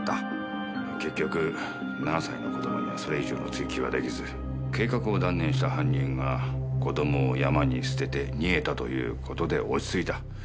結局７歳の子供にはそれ以上の追及は出来ず計画を断念した犯人が子供を山に捨てて逃げたという事で落ち着いた。